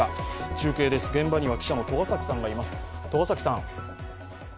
中継です、現場には記者の栂崎さんがいます。